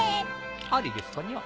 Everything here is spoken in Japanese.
ありですかにゃ？